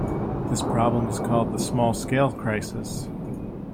This problem is called the "small scale crisis".